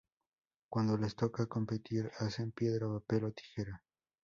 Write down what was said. Cuando les toca competir, hacen piedra papel o tijera.